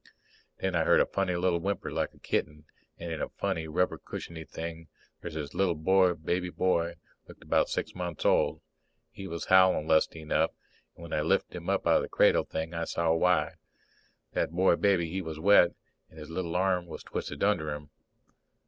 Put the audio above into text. Then I heard a funny little whimper, like a kitten, and in a funny, rubber cushioned thing there's a little boy baby, looked about six months old. He was howling lusty enough, and when I lifted him out of the cradle kind of thing, I saw why. That boy baby, he was wet, and his little arm was twisted under him.